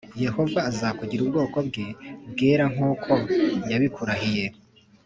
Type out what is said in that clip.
Yehova azakugira ubwoko bwe bwera nk’uko yabikurahiye.